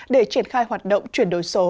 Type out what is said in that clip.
để triển khai hoạt động chuyển đổi số